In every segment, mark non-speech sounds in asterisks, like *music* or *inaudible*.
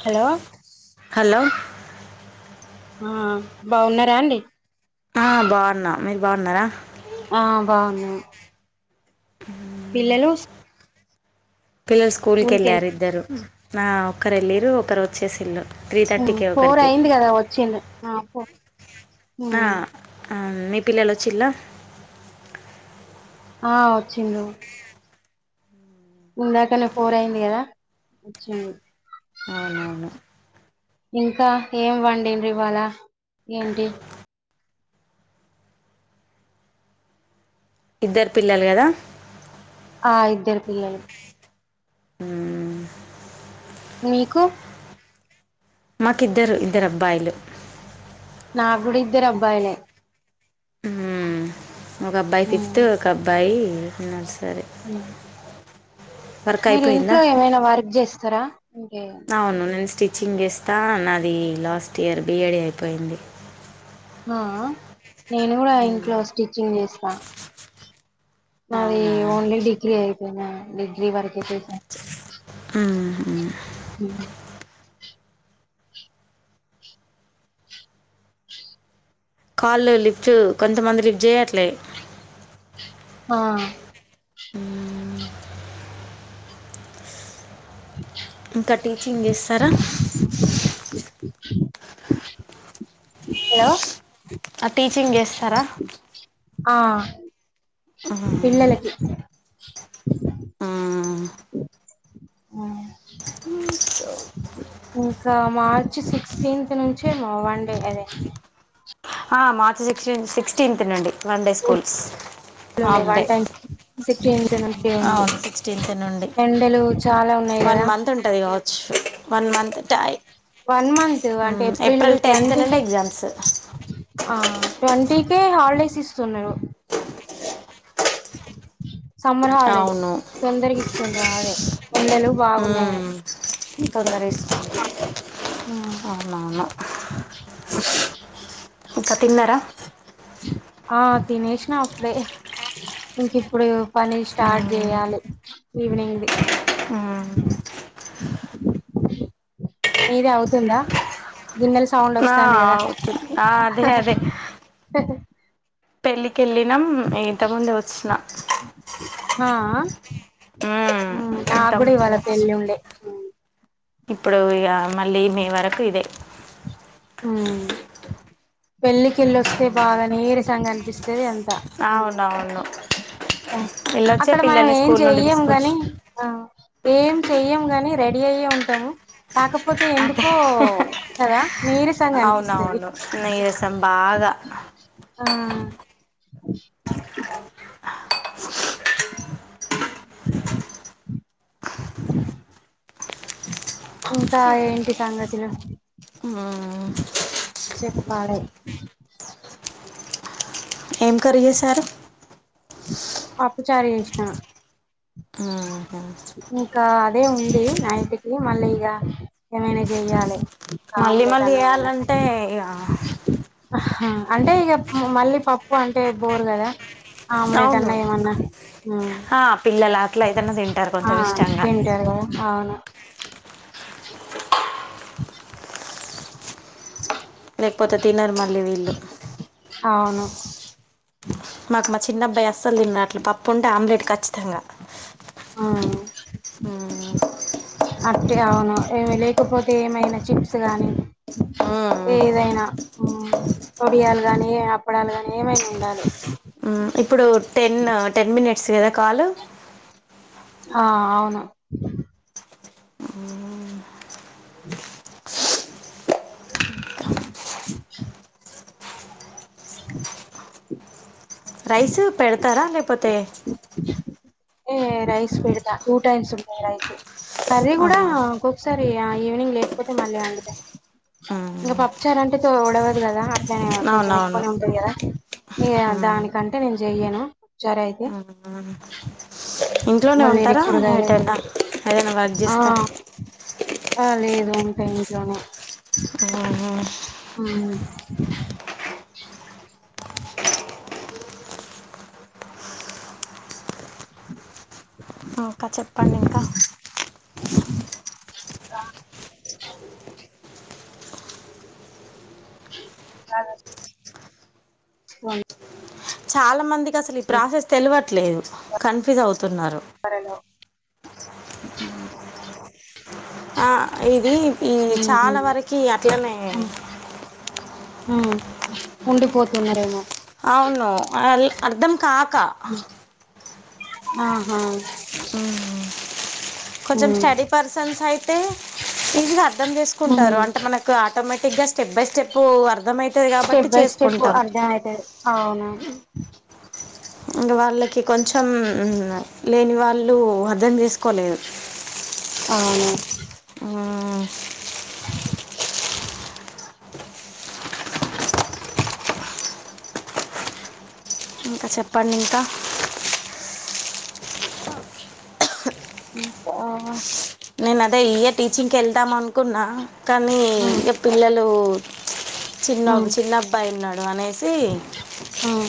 Hello hello ఆ బాగున్నారా అండి ఆ బాగున్నా మీరు బాగున్నారా ఆ బాగున్నా హ ఇలో పిల్లలు స్కూల్కి వెళ్ళారు ఇద్దరు ఆ ఒకరెల్లిర్రు, ఒకరు వచ్చేసిల్లు. త్రీ ఉమ్, థర్టీకి ఫోర్ ఒకరికి అయింది కదా వచ్చిండు ఆ పో. ఉమ్ మ్ మీ పిల్లలొచ్చిల్లా? ఆ వచ్చిన్లు. ఇందాకనే ఫోర్ అయింది కదా, వచ్చిన్రు. అవునవును. కా, ఏం వండిన్రు ఇవాళ ఏంటి? ఇద్దరు పిల్లలు కదా? ఆ, ఇద్దరు పిల్లలు. ఉమ్ మీకు? మాకిద్దరు, ఇద్దరు అబ్బాయిలు. నాక్కూడ ఇద్దరు అబ్బాయిలే. మ్మ్ ఒక అబ్బాయి ఫిఫ్త్, ఒక అబ్బాయి యి నర్స్ హా హ వర్క్ మీరు అయిపోయిందా ఇంట్లో ఏమైనా వర్క్ చేస్తరా ఇంకేమైన? చింగ్ ఇస్తా, నాది last year B E D అయిపోయింది. ఆ అహ్ నేను కూడ ఇంట్లో స్టిచ్చింగ్ చేస్ ట నాది అవునా ఓన్లీ డిగ్రీ అయిప్ నేన డిగ్రీ వరకే చేసా. ఉ హు ఉమ్ కాల్లు లిఫ్ట్, కొంతమంది లిఫ్ట్ చేయట్లే. ఆ ఇంకా టీచింగ్ చేస్తరా? *inaudible* హలో ఆ, టీచింగ్ చేస్తరా? ఆ పిల్లలకి అ ఇంకా మార్చ్ సిక్స్టీన్త్ నుంచే మా వన్ డే అదే. ఆ మార్చ్ సిక్స్టీన్ సిక్స్టీన్త్ నుండి వన్ డే స్కూల్ స్కూల్స్. ఉంది half day, one time sixteenth నుండి ఉంది అవును సిక్స్టీన్త్ నుండి. ఎండలు చాలా ఉన్నాయి వన్ కదా మంత్ ఉంటుందిగావచ్చు, వన్ మంత్ టై వన్ మంత్ అంటే ఏప్రిల్ టెన్త్ ట్వంటీ నుండి ఫిఫ్త్ ఎగ్జామ్స్ ఆ ట్వంటీ కే హాలిడేస్ ఇస్తున్నారు. *inaudible* సమ్మర్ హాలిడేస్ తొందరగా ఇస్తుంర్ర అదే ఎండలు బాగున్నాయని హ్ ఇది తొందర ఏసుకో అవునవును. ఇంకా తిన్నారా ఆ తినేసినా అప్పుడే ఇంక ఇప్పుడు పని స్టార్ట్ జేయాలి. ఈవెనింగ్ ది మీది అవుతుందా గిన్నెల స సౌండ్ ఆ వాస్తంది గాదా ఆ అదే అదే కెళ్ళినాం ఇంతముందే వోచ్చిన హా ఆ హ్ నా ఇంత గుడా ముందే ఇవాళ వచ్చి పెళ్ళి ఉండే ఇప్పుడు ఇక మళ్ళీ మే వరకు ఇదే ఉ పెళ్ళికేళ్ళి వోస్తే బాగా నీరసంగా అనిపిస్తది. అం త అవునవును హ్ వెళ్ళొచ్చే అక్కడ మనం పిల్లల్ని ఏం స్కూల్ నుండి చెయ్యము తీసుకొచ్చి గాని ఏం చెయ్యం గాని రెడీ అయ్యే ఉంటాము. కాకపోతే అదే ఎందుకు ఓ కదా నీరసంగా అనిపిస్తది అవునవును నీరసం బాగా ఆ ఇంకా ఏంటి సంగతులు మ్మ్. చెప్పలే ఏం కర్రి చేసారు. పప్పు చారూ చేసిన మ్మ్. ఇంకా అదే ఉంది. నైట్కి మళ్ళ ఇగా ఏమైనా చెయ్యాలి. ఇంకా మళ్ళీ ఆమ్లెట్ మళ్ళీ అన్నా చేయాన్లంటే ఇగా హా అంటే ఇగా మళ్ళీ పప్పు అంటే బోరు గాదా అవును ఉమ్ ఆ పిల్లలు అట్లా అయితనే తింటారు. ఆ కొంచెం ఇష్టంగా తింటారు గాద అవును ఓే లేకపోతే తినరు మళ్ళీ వీళ్ళు అవును మాకు మా చిన్నబ్బయ అసలు తినడు అట్లా పప్పు ఉంటే ఆమ్లెట్ ఖచ్చితంగా హ్ మ్మ్. అట్టే అవును ఏమి లేకపోతే ఏమైనా చిప్స్ గాని మ్మ్. ఏదైనా ఉ వొడియాలు గాని ఏ అప్పడాలు గాని ఏమైనా ఉండాలి. ఇప్పుడు టెన్ టెన్ మినిట్స్ కదా కాలు ఆ అవును అ ఓ రైస్ పెడతారా లేకపోతే ఏ రైస్ పోడుదా టూ టైస్ ఉంట రైస్ అరే కూడా ఆహా గప్సా ఈవినింగ్ లేకపోతే మళ్ళీ వందు ఇంకా ఉమ్, పప్పుచార్ అంటే ఉడవదు కదా కొంచెం అవునవును ఎక్కువ ఉంటంది కదా ఉమ్, దానికంటే నేను చెయ్యనుచరా అయితే ఇంట్లోనే ఇంకా వేరే ఉంటారా కూరగాయలు అయితే ఏటైనా అదైనా వర్క్ ఆ చేస్తాను ఆ లేదు ఉన్ టైంట్లోన గు అవును అక్క చెప్పండి ఇంకా రా ఆధార్ వన్ చాలా మంది కి అసలు ఈ ప్రాసెస్ తెలివద్ ట్లేదు కన్ఫ్యూజ్ అవు తున్నారు త్వరలో ఆ ఇది ఈ ఉహు చాలా వరికి అట్లనే ఆ ఉండిపోతున్నారేమో అవును అళ్ అర్ధం కాక ఆహా ఉహు కొంచెం ఉమ్ స్టడీ పర్సన్స్ అయితే ఇంగ అర్థం ఉమ్ చేసుకుంటారు అంటే మనకు ఆటోమే టిక్గా స్టెప్ బై స్టెప్పు అర్ స్టెప్ బై స్టెప్ అర్ధే అయతే అవునా ఇంకా వాళ్ళకి కొంచెం లేని వాళ్ళు అర్థం తీసుకోలేదు అవును ఆ ఇంకా చెప్పండి ఇంకా మ్మ్ పా నేను అదే ఇయర్ టీచింగ్కి వెళ్దాం అనుకున్నా కానీ ఉమ్ ఇక పిల్లలు చిన్న ఒక ఉమ్ చిన్నబ్బాయిన్నాడు అనేసి ఉమ్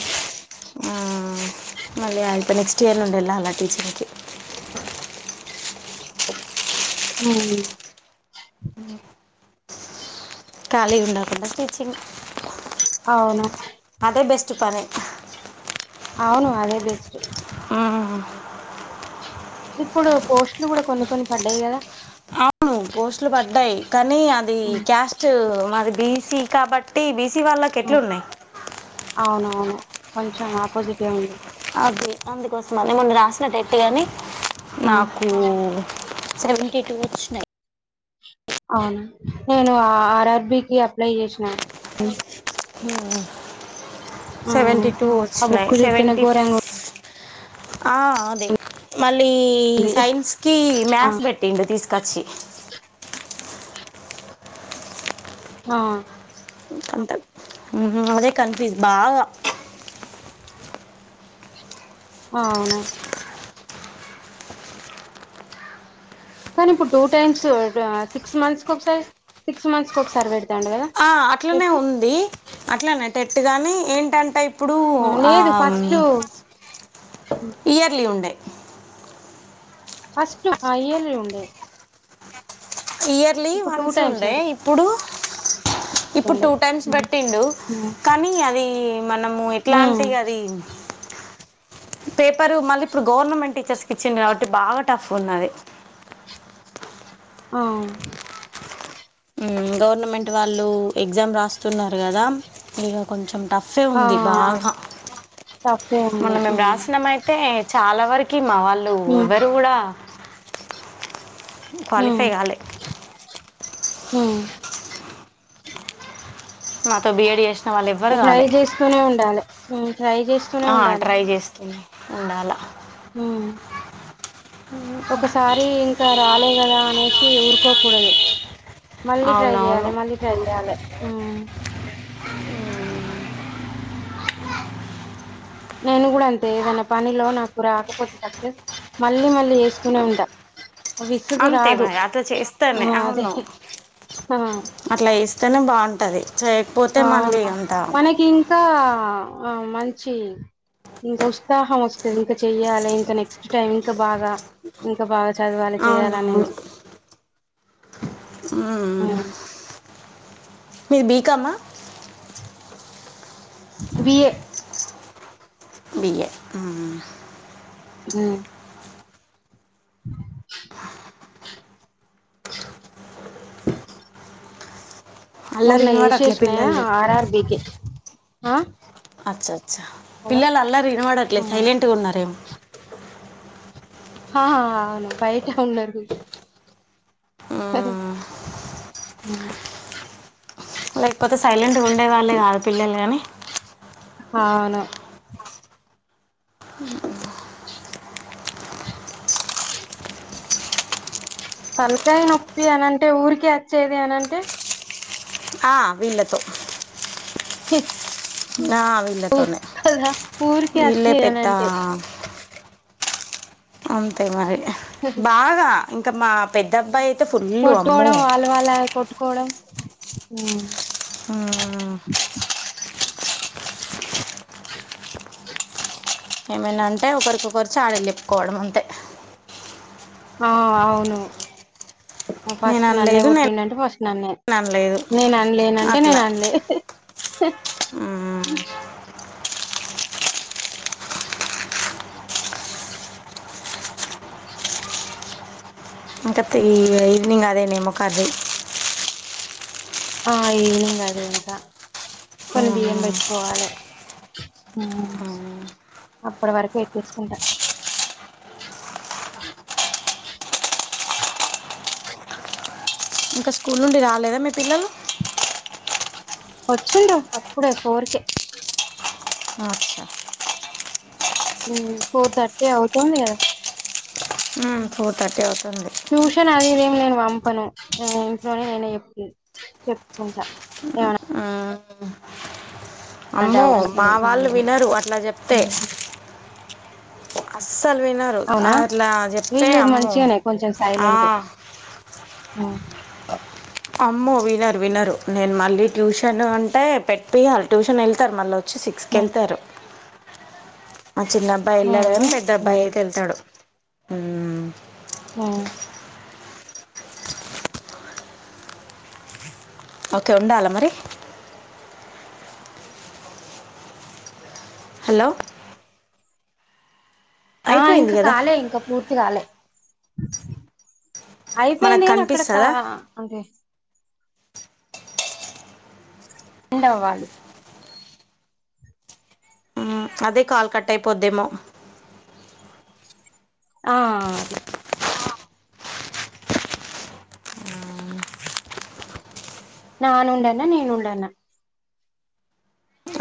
మ్మ్ మళ్ళీ అయితే నెక్స్ట్ ఇయర్ నుండి వెళ్ళాల టీచింగ్కి మ్మ్ ఖాళీ ఉండకుండా టీచింగ్ అవును అదే బెస్ట్ పనే అవును అదే బెస్ట్ మ్మ్ ఇప్పుడు పోస్టులు కూడా కొన్ని కొన్ని పడ్డాయి కదా అవు పోస్టులు పడ్డాయి కానీ అది ఉమ్ క్యాస్ట్ మరి బీసీ కబడ్డీ బీస్ సీ వాళకి ఉమ్ ఎట్లున్నాయి అవునవును కొంచెం ఆపోజిటె ఉంది అది అందుకోసమ మొన్న రాసిన టెట్టుగాని ఉమ్ నాకు సెవెంటీ టూ వచ్చినయి అవును నేను ఆర్ఆర్బికి అప్లై చేసినా మ్మ్ ఉమ్ సెవెంటీ టూ ఆ వచ్చినాయి బుక్ చూస్తేనే సెవెంటీ ఘోరంగా ఆ అదే మళ్ లీ ఉంది సైన్స్ కి ఆ మ్యాథ్స్ పెట్టి తీసుకు కచి ఆ అంతే మ్మ్ అదే కన్ఫ్యూజ్ బాగా అవును కానీ ఇప్పుడు టూ టైమ్స్ సిక్స్ మంత్స్ ఒకసారి సిక్స్ మంత్స్ కి ఒకసారి పెడుతు ఆ అట్లనే ఉంది అట్లనే టెట్టు కానీ ఏంటంటే ఇప్ ఇప్పుడు ఆ, లేదు ఫస్ట్ ఆ ఇయర్లీ ఉండే ఫస్ట్ అయ్యల్ ఉండె ఇయర్లీ వన్స్ టైమ్స్ ఉండే పెడతాండు ఇప్పుడు ఇప్పుడు టూ టైమ్స్ తండు పెట్టిండు కానీ అది మనము ఆ ఎట్లాంటి అది పేపరు మళ్ళీ ఇప్పుడు గవర్నమెంట్ టీచర్స్ కి ఇచ్చిడు కాబట్టి బాగా టఫ్ ఉన్నది ఆ ఉమ్ గవర్నమెంట్ వాళ్ళు ఎగ్జామ్ రాస్తున్నారు కదా ఇక కొంచెం టఫే ఆ ఉంది బాగా తప్పే మొన్న ఉంది మేము ఉమ్ రాసినామైతే చాలా వరకు మా వాళ్ళు ఎవరు కూడా క్వాలిఫై కాలే ఆమ్ మాతో బిఎడి చేసి ట్రై చేస్తూనే ఉండాలి ఉమ్ ట్రై చేస్తూనే ఆ ట్రై చేస్తున్నా ఉండాల హమ్ ఒకసారి ఇంకా రాలే కదా అనేసి ఊరుకోకూడదు మళ్ళీ ట్రై చెయాలి అవునవును మళ్ళీ ట్రై చెయాలి ఉమ్ ఉమ్ నేను కూడా అంతే ఏదైనా పనిలో నాకు రాకపోతే తప్పే మళ్ళీ మళ్ళీ చేస్తూనే ఉంటా విసుగు అంతే రాదు మరి అట్లా ఆ చేస్తానే అదే అవును ఆ అట్లా చేస్తానే బాగుంటది చేయకపోతే అవును మళ్ళీ అంత మనకి ఇంకా ఆ మంచి ఇంకా ఉత్సాహం వస్తుంది ఇంకా చెయ్యాలి ఇంకా నెక్స్ట్ టైమ్ ఇంకా బాగా ఇంకా బాగా చదవాలి చేయాలనేది అమ్ మీరు బీకాం మా బి ఏ బి ఏ ఉమ్ హమ్ అల్లరి మొన్న వినబడట్లే ఏసేషన పిల్లలది ఆర్ఆర్బీకి ఆ అచ్చ హలో పిల్లలు అల్లరి వినబడట్లేదు సైలెంట్ గా ఉన్నారేమో ఆ అవును బయట ఉన్నారు మ్మ్. ఉమ్ లైక్ పోతే సైలెంట్ గ ఉండే వాళ్ళే కాద్. పిల్లలు గాని. ఆవును చు తలకాయి నొప్పి అనంటే ఊరికే అచ్చేది అనంటే. ఆ వీళ్ళతో. హి ఆ, ఊ వీళ్ళతోనే కదా ఊరికే వీళ్ళే అచ్చేది పెద్ద అనంటే. అంతే మరి బాగా ఇంకా మా పెద్దబ్బాయి పొట్టోడు వాళ్ళ వాళ్లే కొట్టుకోవడం. అవును హా ఏమైనా అంటే ఒకరికి ఒకరు చాడీలుచెప్పుకోవడం అంతే. ఆ అవును. నేను ఫస్ట్ నన్నే అనలేదు కొట్టిండు అంటే ఫస్ట్ నన్నే. నేను అనలేదు నేను అనలేనంటే అట్లా నేను అనలే. మ్మ్. ఇంకా త్రీ అయ్యింది ఇంగా అదేనేమో కర్రీ. ఆ ఈవెనింగ్ అదే ఇంకా కొన్ని బియ్యం పెట్టుకోవాలే. హూ అప్పటి వరకు ఎక్కించుకుంటా. ఇంకా స్కూల్ నుండి రాలేదా మీ పిల్లలు. వచ్చిండ్రు అప్పుడే ఫోర్కే. ఆ అచ్చా. హు ఫోర్ థర్టీ అవుతుంది కదా. ఫోర్ థర్టీ అవుతుంది ట్యూషన్ అది ఇది ఏమి లేదు. పంపను నేన్ ఇంట్లోనే నేనే చెప్ప చెప్పుకుంటా ఆ ఆ అమ్మో డౌట్స్ మా అడుగు వాళ్ళు వినరు అట్లా చెప్తే. స్ అస్సల్ వినరూ ఆ అవునా అట్లా చెప్తే వీళ్ళు అమ్మో మంచిగానే ఆ హు అమ్మో వినరు వినరు. నేను మళ్ళీ ట్యూషన్ అంటే పెట్టిపియ్యాలి ట్యూషన్ ఎళ్తరు మళ్ళొ చ్చి సిక్స్కి ఎళ్తారు. మా చిన్న అబ్బాయి ఎళ్ళడు గానీ పెద్దబ్బాయితే వెళ్తాడు. హూ అ ఓకే ఉండాలా మరి హాలో ఆ ఇంకా కదా కాలే ఇంకా పూర్తి కాలే మనకు అయిపెయింది కనీ అక్కడక్క కనిపిస్తుందా ఆ అంతే ండ్ వాళి ఉం అదే కాల్ కట్ట్ అయ్ పోద్దేమో ఆ అది నాను ఉండన నేను ఉండన్న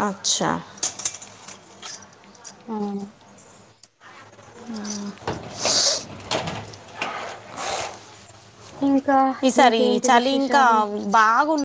అచ్చా ఉ ఇంకా ఈ సారి ఇంకేంటి చలి ఇంకా విశేషాలు బాగు